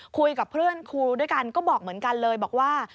คุยกับเพื่อนครูด้วยกันก็บอกเหมือนกันเลยบอกว่า